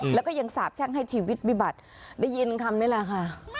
แล้วก็ยังสาบแช่งให้ชีวิตวิบัติได้ยินคำนี้แหละค่ะ